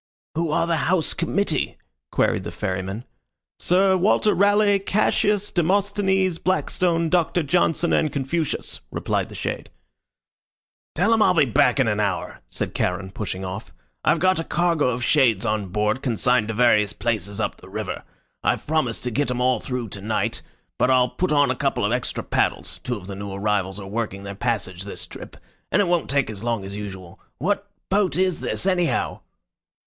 "Who are the house committee?" queried the Ferryman. "Sir Walter Raleigh, Cassius, Demosthenes, Blackstone, Doctor Johnson, and Confucius," replied the shade. "Tell 'em I'll be back in an hour," said Charon, pushing off. "I've got a cargo of shades on board consigned to various places up the river. I've promised to get 'em all through to night, but I'll put on a couple of extra paddles two of the new arrivals are working their passage this trip and it won't take as long as usual. What boat is this, anyhow?"